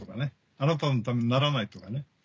「あなたのためにならない」とかね。